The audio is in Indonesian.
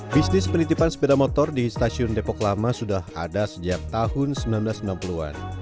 bisnis penitipan sepeda motor di stasiun depok lama sudah ada sejak tahun seribu sembilan ratus sembilan puluh an